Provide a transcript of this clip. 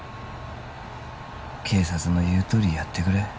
警察のいうとおりやってくれ